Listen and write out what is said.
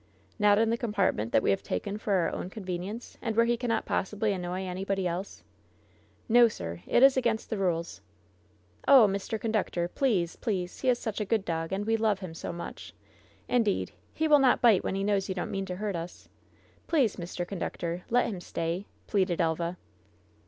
"Not in the compartment that we have taken for our own convenience, and where he cannot possibly annoy anybody else ?" "No, sir ; it is against the rules." "Oh, Mr. Conductor I please! please! He is such a good dog, and we love him so much ! Indeed, he will not bite when he knows you don't mean to hurt us! iPlease, Mr. Conductor, let him stay !" pleaded Elva.